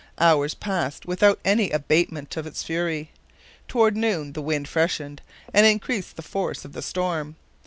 Hours passed without any abatement of its fury. Toward noon the wind freshened, and increased the force of the storm.